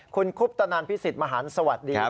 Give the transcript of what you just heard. คุณคุปตนันพี่สิทธิ์มหันฯสวัสดีครับ